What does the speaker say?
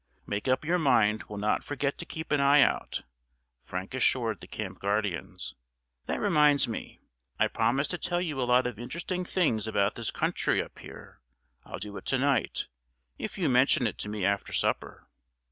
"Make up your mind we'll not forget to keep an eye out," Frank assured the camp guardians. "That reminds me, I promised to tell you a lot of interesting things about this country up here. I'll do it to night, if you mention it to me after supper."